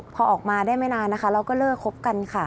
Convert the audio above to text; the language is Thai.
พอออกมาได้ไม่นานนะคะเราก็เลิกคบกันค่ะ